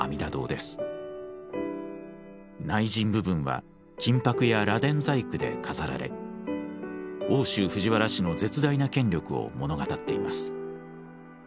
内陣部分は金箔や螺鈿細工で飾られ奥州藤原氏の絶大な権力を物語っています。